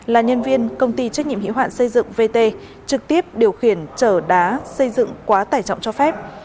là nhân viên công ty trách nhiệm hiệu hạn xây dựng vt trực tiếp điều khiển trở đá xây dựng quá tải trọng cho phép